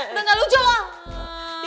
udah gak lucu lah